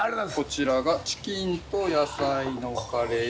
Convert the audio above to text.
こちらがチキンと野菜のカレー。